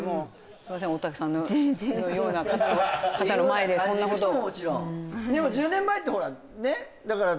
すいません、大竹さんのような方の前でそんなことを。